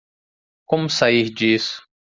Como sair disso